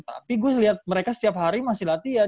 tapi gue lihat mereka setiap hari masih latihan